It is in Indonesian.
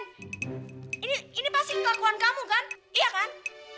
ken ini pasti kelakuan kamu kan iya kan